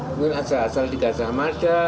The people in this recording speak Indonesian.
mungkin aja aja di gajah mada